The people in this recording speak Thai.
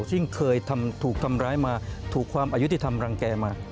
ซึ่งเคยถูกทำร้ายมาถูกความอายุติธรรมรังแก่มา